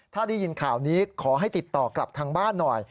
ถ้าได้ยินข่าวนี้ขอให้ติดต่อกลับทางบ้านหน่อย